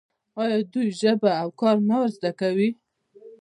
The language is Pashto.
آیا دوی ژبه او کار نه ور زده کوي؟